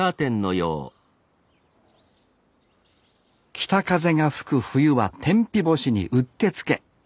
北風が吹く冬は天日干しにうってつけ。